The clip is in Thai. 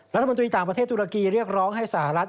รัฐมนตรีต่างประเทศตุรกีเรียกร้องให้สหรัฐ